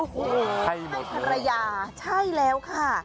ให้ภรรยาใช่แล้วค่ะ